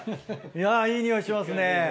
いやいい匂いしますね。